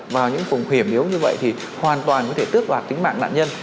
vào những phùng hiểm yếu như vậy thì hoàn toàn có thể tước đoạt tính mạng nạn nhân